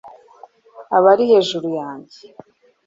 aba hejuru yanjye